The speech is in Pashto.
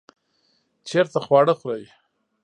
چیرته خواړه خورئ؟